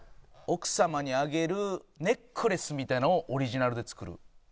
奥様にあげるネックレスみたいなのをオリジナルで作る。